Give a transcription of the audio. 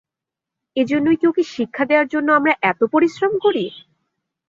এজন্যই কি ওকে শিক্ষা দেয়ার জন্য আমরা এত পরিশ্রম করি?